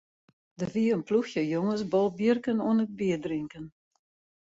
Der wie in ploechje jonges bolbjirken oan it bierdrinken.